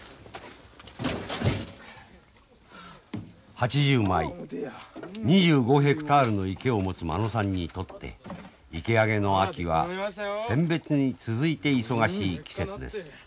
８０枚２５ヘクタールの池を持つ間野さんにとって池上げの秋は選別に続いて忙しい季節です。